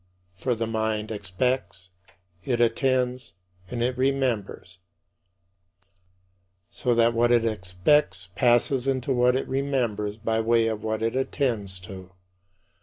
For the mind expects, it attends, and it remembers; so that what it expects passes into what it remembers by way of what it attends to.